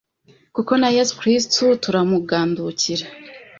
kuko na Yesu Kirisitu turamugandukira